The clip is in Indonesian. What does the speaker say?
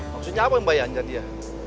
maksudnya apa yang mbak janjar dia